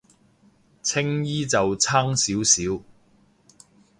青衣就爭少少